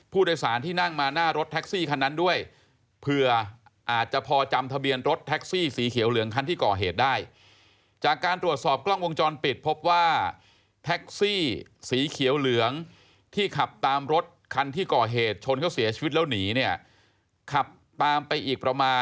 ผู้โดยสารที่นั่งมาหน้ารถแท็กซี่คันนั้นด้วยเผื่ออาจจะพอจำทะเบียนรถแท็กซี่สีเขียวเหลืองคันที่ก่อเหตุได้